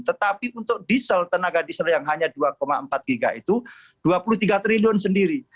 tetapi untuk diesel tenaga diesel yang hanya dua empat giga itu dua puluh tiga triliun sendiri